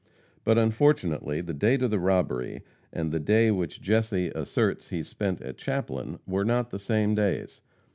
But unfortunately the date of the robbery, and the day which Jesse asserts he spent at Chaplin, were not the same days.